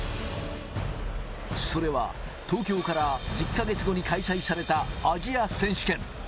それは東京から１０か月後に開催されたアジア選手権。